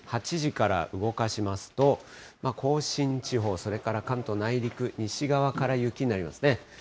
８時から動かしますと、甲信地方、それから関東内陸、西側から雪になりますね。